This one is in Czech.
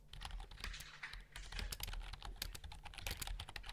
Zemřel v Hollywoodu na srdeční infarkt.